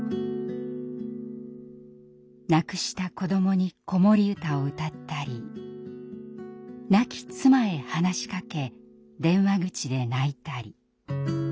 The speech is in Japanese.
亡くした子どもに子守歌を歌ったり亡き妻へ話しかけ電話口で泣いたり。